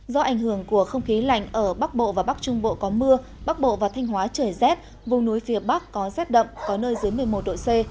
do ảnh hưởng của không khí lạnh ở bắc bộ và bắc trung bộ có mưa bắc bộ và thanh hóa trời rét vùng núi phía bắc có rét đậm có nơi dưới một mươi một độ c